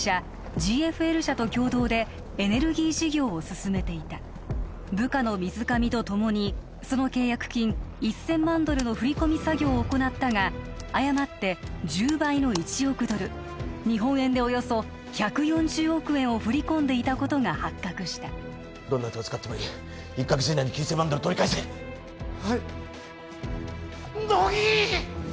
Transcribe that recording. ＧＦＬ社と共同でエネルギー事業を進めていた部下の水上と共にその契約金１千万ドルの振り込み作業を行ったが誤って１０倍の１億ドル日本円でおよそ１４０億円を振り込んでいたことが発覚したどんな手を使ってもいい１か月以内に９千万ドル取り返せはい乃木！